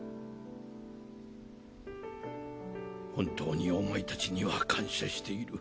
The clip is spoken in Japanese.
本当にお前たちには感謝している。